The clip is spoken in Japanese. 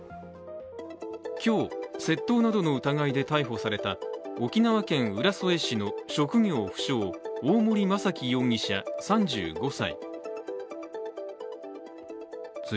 今日、窃盗などの疑いで逮捕された沖縄県浦添市の職業不詳大森正樹容疑者、３５歳。